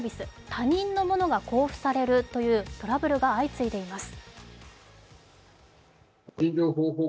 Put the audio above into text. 他人のものが交付されるというトラブルが相次いでいます。